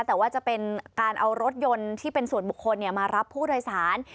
แต่ว่าจะเป็นการเอารถยนต์ที่เป็นส่วนบุคคลมารับผู้โดยสาร